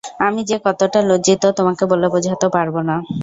আমি যে কতোটা লজ্জিত তোমাকে বলে বোঝাতে পারব না!